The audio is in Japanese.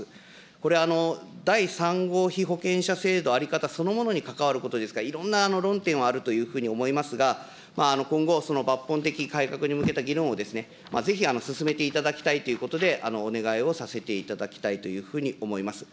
これ、第３号被保険者制度在り方そのものに関わることですから、いろんな論点はあるというふうに思いますが、今後、その抜本的改革に向けた議論を、ぜひ進めていただきたいということで、お願いをさせていただきたいというふうに思います。